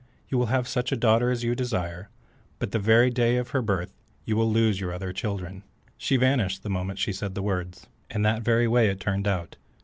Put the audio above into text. You will have such a daughter as you desire, but the very day of her birth you will lose your other children." She vanished the moment she said the words. And that very way it turned out.